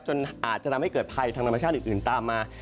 จนอาจจะจะทำให้เกิดไพไปแถมธรรมชาติอื่นตามมา